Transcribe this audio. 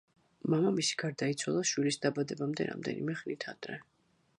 მამამისი გარდაიცვალა შვილის დაბადებამდე რამდენიმე ხნით ადრე.